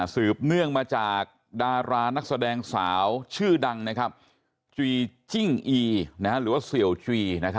เนื่องมาจากดารานักแสดงสาวชื่อดังจรีจิ้งอีหรือว่าเสี่ยวจรี